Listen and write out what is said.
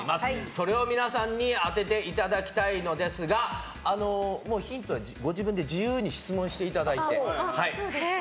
それを皆さんに当てていただきたいのですがヒントはご自分で自由に質問していただいて。